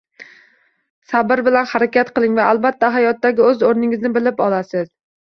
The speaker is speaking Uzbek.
Sabr bilan harakat qiling va albatta hayotdagi o’z o’rningizni bilib olasiz